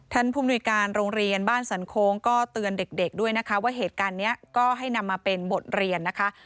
ผู้มนุยการโรงเรียนบ้านสันโค้งก็เตือนเด็กด้วยนะคะว่าเหตุการณ์นี้ก็ให้นำมาเป็นบทเรียนนะคะ